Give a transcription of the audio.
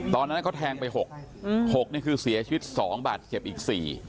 ตอนนั้นเขาแทงไปหกหกนี่คือเสียชีวิตสองบาดเจ็บอีก๔